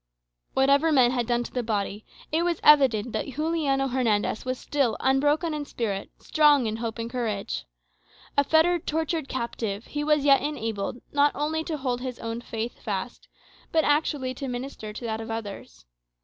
Whatever men had done to the body, it was evident that Juliano Hernandez was still unbroken in heart, strong in hope and courage. A fettered, tortured captive, he was yet enabled, not only to hold his own faith fast, but actually to minister to that of others.